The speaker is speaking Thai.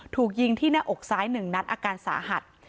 ถูกยิงที่หน้าอกซ้าย๑นัดอาการสาหัส